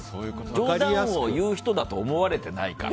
冗談を言う人だと思われてないから。